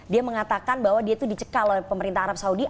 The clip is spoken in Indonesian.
dia mengatakan bahwa dia itu dicekal oleh pemerintah arab saudi